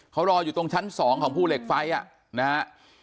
เขารออยู่ตรงชั้น๒ของภูเหล็กไฟนะฮะ